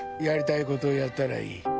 やりたいことやったらいい。